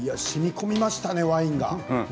しみこみましたねワインが。